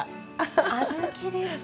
小豆ですか。